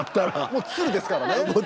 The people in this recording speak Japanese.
もうツルですからね。